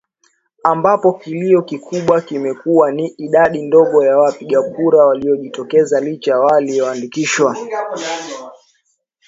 ambapo kilio kikubwa kimekuwa ni idadi ndogo ya wapiga kura waliojitokeza licha ya walioandikishwa